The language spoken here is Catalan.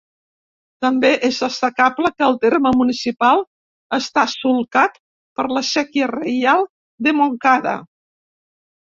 També és destacable que el terme municipal està solcat per la Séquia Reial de Montcada.